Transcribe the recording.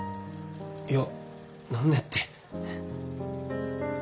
いや何ねって。